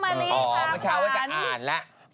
เมื่อเช้าว่าจะอ่านแล้ว